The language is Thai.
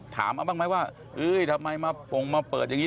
ถามเอาบ้างไหมว่าทำไมมาปงมาเปิดอย่างนี้